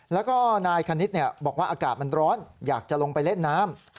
แล้วก็นายคณิตบอกว่าอากาศมันร้อนอยากจะลงไปเล่นน้ำ